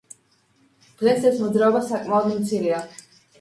დღეს ეს მოძრაობა საკმაოდ მცირეა.